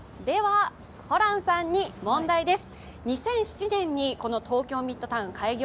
ホランさんに問題です。